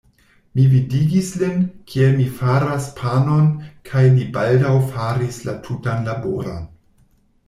Mi vidigis lin, kiel mi faras panon, kaj li baldaŭ faris la tutan laboron.